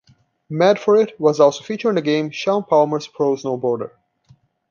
"Mad For It" was also featured in the game "Shaun Palmer's Pro Snowboarder".